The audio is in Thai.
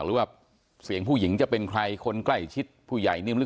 หรือว่าเสียงผู้หญิงจะเป็นใครคนใกล้ชิดผู้ใหญ่นิ่มหรือ